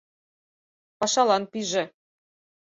Пашалан пиже.